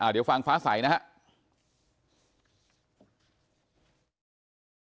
เดี๋ยวฟังฟ้าใสนะครับ